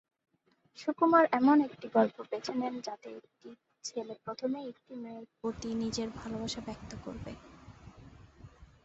সুকুমার এমন একটি গল্প বেছে নেন যাতে একটি ছেলে প্রথমেই একটি মেয়ের প্রতি নিজের ভালোবাসা ব্যক্ত করবে।